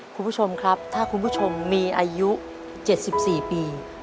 คุณผู้ชมครับถ้าคุณผู้ชมมีอายุ๗๔ปี